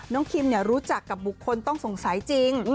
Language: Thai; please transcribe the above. คิมรู้จักกับบุคคลต้องสงสัยจริง